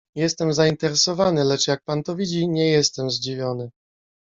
"Jestem zainteresowany, lecz jak pan to widzi, nie jestem zdziwiony."